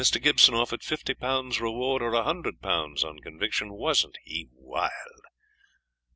Gibson offered 50 Pounds reward, or 100 Pounds on conviction. Wasn't he wild!